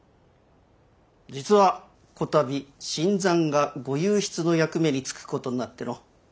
実はこたび新参が御右筆の役目につくことになっての。